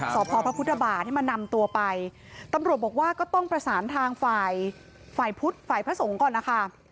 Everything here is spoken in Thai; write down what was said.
สพพระพุทธบาทให้มานำตัวไปตำรวจบอกว่าก็ต้องประสานทางฝ่ายฝ่ายพุทธฝ่ายพระสงฆ์ก่อนนะคะ